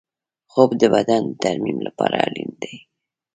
خوب د بدن د ترمیم لپاره اړین دی